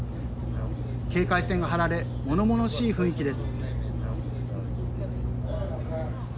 警戒線が張られものものしい雰囲気です。